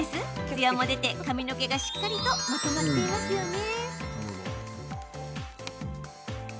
ツヤも出て髪の毛がしっかりとまとまっていますよね。